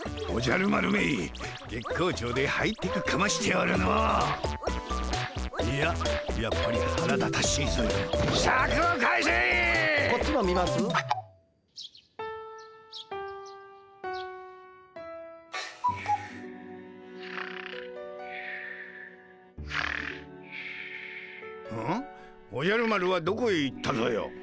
おじゃる丸はどこへ行ったぞよ。